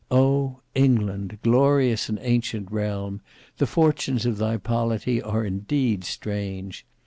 0! England, glorious and ancient realm, the fortunes of thy polity are indeed strange!